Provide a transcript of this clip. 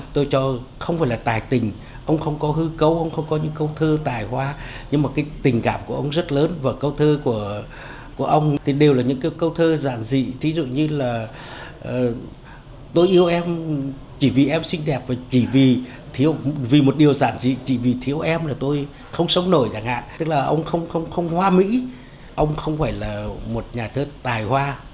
tức là ông không hoa mỹ ông không phải là một nhà thơ tài hoa